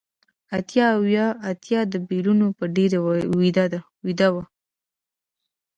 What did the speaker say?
اتیا اوه اتیا د بیلونو په ډیرۍ ویده و